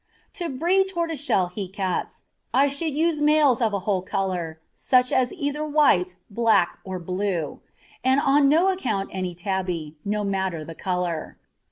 To breed tortoiseshell he cats, I should use males of a whole colour, such as either white, black, or blue; and on no account any tabby, no matter the colour.